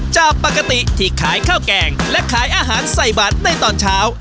จากปกติที่ขายข้าวแกงและขายอาหารใส่บัตรในตอนเช้า